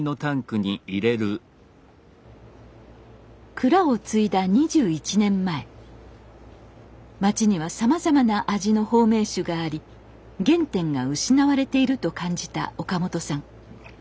蔵を継いだ２１年前町にはさまざまな味の保命酒があり原点が失われていると感じた岡本さん。